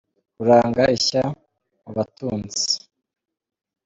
Uranga ishya mu batunzi.